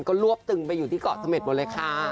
ก็รวบตึงไปอยู่ที่เกาะเสม็ดหมดเลยค่ะ